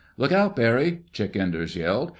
"Look out, Barry!" Chick Enders yelled.